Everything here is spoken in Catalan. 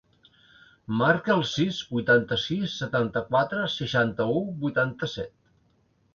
Marca el sis, vuitanta-sis, setanta-quatre, seixanta-u, vuitanta-set.